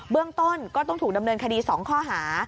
เบื้องต้นก็ต้องถูกดำเนินคดี๒ข้อหา